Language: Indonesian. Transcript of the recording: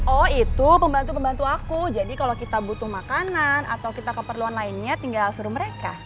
oh itu pembantu pembantu aku jadi kalau kita butuh makanan atau kita keperluan lainnya tinggal suruh mereka